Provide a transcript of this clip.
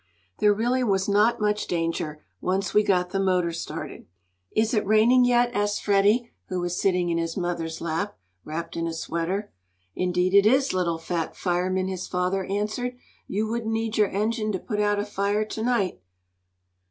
"There really was not much danger, once we got the motor started." "Is it raining yet?" asked Freddie, who was sitting in his mother's lap, wrapped in a sweater. "Indeed it is, little fat fireman," his father answered. "You wouldn't need your engine to put out a fire to night."